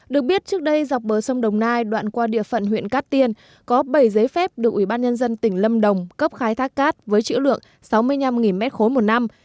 được biết trước đây dọc bờ sông đồng nai đoạn qua địa phận huyện cát tiên có bảy giấy phép được ubnd tỉnh lâm đồng cấp khai thác cát với chữ lượng sáu mươi năm m ba một năm